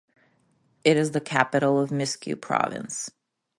It is the capital of the Mizque Province.